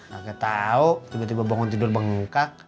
gak tau tiba tiba bangun tidur bang nungkak